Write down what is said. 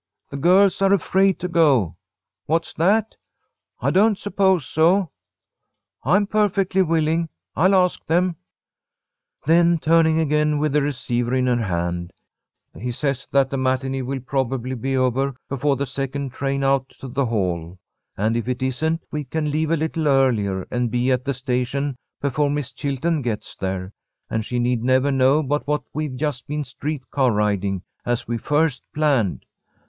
"The girls are afraid to go." "What's that?" "I don't suppose so." "I'm perfectly willing. I'll ask them." Then turning again, with the receiver in her hand: "He says that the matinée will probably be over before the second train out to the Hall, and, if it isn't, we can leave a little earlier and be at the station before Miss Chilton gets there, and she need never know but what we've just been streetcar riding, as we first planned."